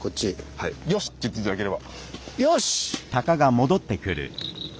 「よし」って言って頂ければ。